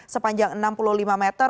sepanjang enam puluh lima meter